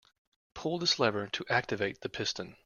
Pull this lever to activate the piston.